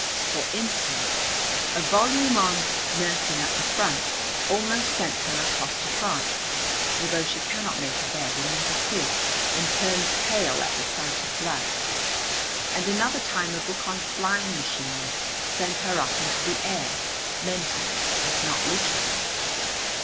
For instance, a volume on "Nursing at the Front" almost sent her across to France, although she cannot make a bed and never could, and turns pale at the sight of blood; and another time a book on flying machines sent her up into the air, mentally if not literally.